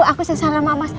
aku sesalah maaf mas